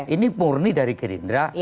ini murni dari gerindra